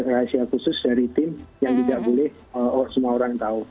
rahasia khusus dari tim yang tidak boleh semua orang tahu